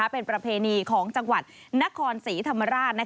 เป็นประเพณีของจังหวัดนครศรีธรรมราช